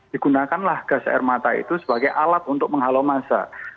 digunakanlah gas air mata itu sebagai alat untuk menghalau massa